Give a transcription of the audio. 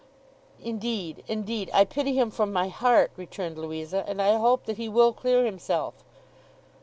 'Indeed, indeed, I pity him from my heart,' returned Louisa; 'and I hope that he will clear himself.